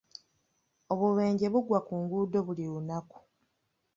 Obubenje bugwa ku nguudo buli lunaku.